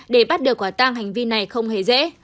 để bắt được quả tang hành vi này không hề dễ